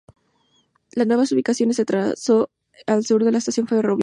La nueva ubicación se trazó al sur de la estación ferroviaria.